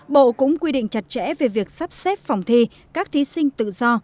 bộ cũng quy định chặt chẽ về việc sắp xếp phòng thi các thí sinh tự do